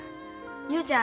雄ちゃん